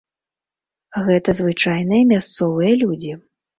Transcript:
Гэта звычайныя мясцовыя людзі.